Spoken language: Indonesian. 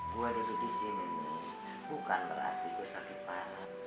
gue disini sini nih bukan berarti gue sakit parah